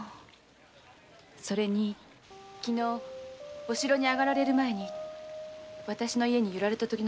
それにお城に上がられる前に私の家に寄られた時の様子が。